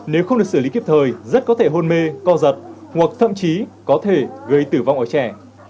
nếu không được xử lý kịp thời rất có thể hôn mê co giật hoặc thậm chí có thể gây tử vong ở trẻ